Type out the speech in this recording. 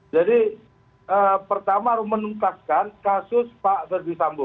jadi pertama harus menuntaskan kasus pak verdi sambo